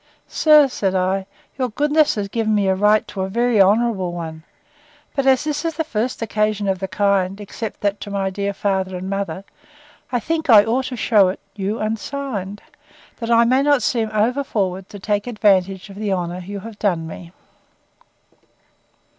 Sir, said I, your goodness has given me a right to a very honourable one but as this is the first occasion of the kind, except that to my dear father and mother, I think I ought to shew it you unsigned, that I may not seem over forward to take advantage of the honour you have done me.